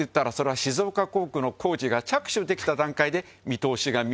静岡工区の工事が着手できた段階で未靴┐討。